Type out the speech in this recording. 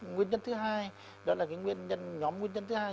nguyên nhân thứ hai đó là cái nguyên nhân nhóm nguyên nhân thứ hai